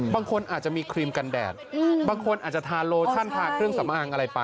บางคนอาจจะมีครีมกันแดดบางคนอาจจะทานโลชั่นทาเครื่องสำอางอะไรไป